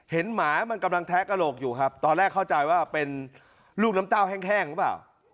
หมามันกำลังแทะกระโหลกอยู่ครับตอนแรกเข้าใจว่าเป็นลูกน้ำเต้าแห้งหรือเปล่า